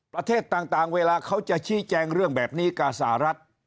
ประเทศต่างเวลาเขาจะชี้แจงเรื่องแบบนี้กับสหรัฐ